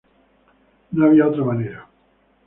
No había otra manera.